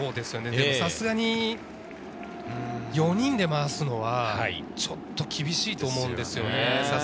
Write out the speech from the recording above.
さすがに４人で回すのはちょっと厳しいと思うんですよね。